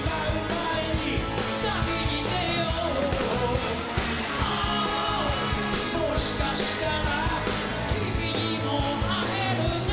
「旅に出よう」「Ｏｈもしかしたら君にも会えるね」